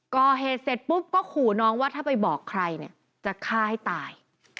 ก่อเหตุเสร็จปุ๊บก็ขู่น้องว่าถ้าไปบอกใครเนี่ยจะฆ่าให้ตาย